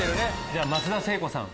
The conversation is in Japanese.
じゃあ松田聖子さん。